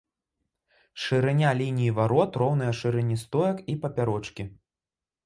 Шырыня лініі варот роўная шырыні стоек і папярочкі.